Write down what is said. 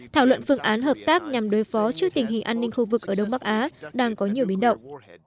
thảo luận phương án hợp tác nhằm đối phó trước tình hình an ninh khu vực ở đông bắc á đang có nhiều biến động